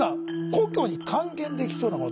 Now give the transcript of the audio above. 故郷に還元できそうなもの